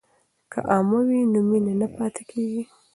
که عمه وي نو مینه نه پاتیږي.